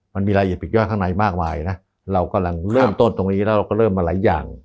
มันมีรายละเอียดปิกย่อยข้างในมากมายนะเรากำลังเริ่มต้นตรงนี้แล้วเราก็เริ่มมาหลายอย่าง